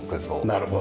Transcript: なるほど。